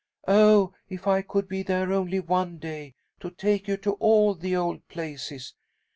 Oh, if I could be there only one day to take you to all the old places!